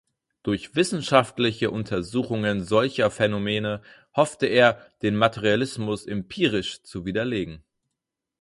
Durch wissenschaftliche Untersuchungen solcher Phänomene hoffte er, den Materialismus empirisch zu widerlegen.